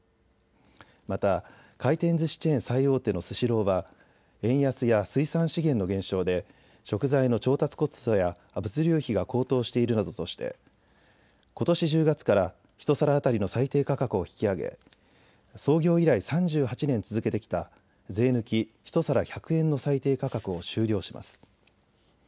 また、回転ずしチェーン最大手のスシローは円安や水産資源の減少で食材の調達コストや物流費が高騰しているなどとしてことし１０月から１皿当たりの最低価格を引き上げ創業以来３８年続けてきた税抜き１皿１００円の最低価格を終了します。